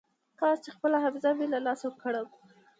کاش چې خپله حافظه مې له لاسه ورکړم.